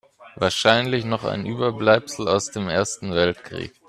Wahrscheinlich noch ein Überbleibsel aus dem Ersten Weltkrieg.